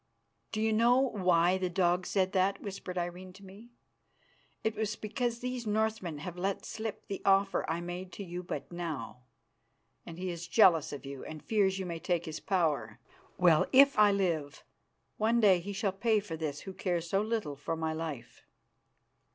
"Do you know why the dog said that?" whispered Irene to me. "It was because those Northmen have let slip the offer I made to you but now, and he is jealous of you, and fears you may take his power. Well, if I live, one day he shall pay for this who cares so little for my life."